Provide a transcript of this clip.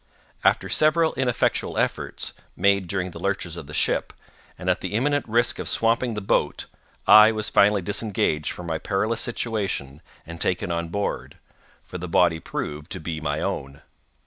After several ineffectual efforts, made during the lurches of the ship, and at the imminent risk of swamping the boat I was finally disengaged from my perilous situation and taken on board—for the body proved to be my own.